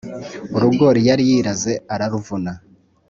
urugori yari yiraze araruvuna